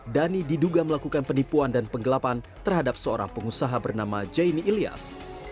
dhani diduga melakukan penipuan dan penggelapan terhadap seorang pengusaha bernama jaini ilyas